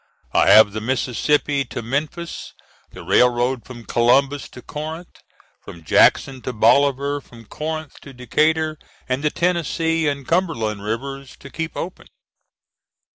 I have the Mississippi to Memphis, the railroad from Columbus to Corinth, from Jackson to Bolivar, from Corinth to Decatur, and the Tennessee and Cumberland rivers to keep open.